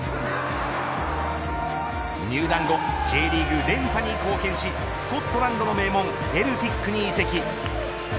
入団後、Ｊリーグ連覇に貢献しスコットランドの名門セルティックに移籍。